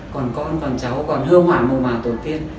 còn con còn cháu còn hương hoảng mồm à tổ tiên